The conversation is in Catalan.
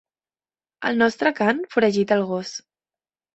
El nostre cant foragita el gos.